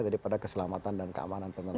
daripada keselamatan dan keamanan penerbangan